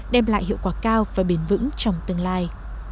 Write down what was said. đem lại hiệu quả cao và bền vững trong tương lai